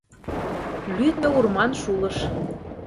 Лӱдмӧ-урман шулыш.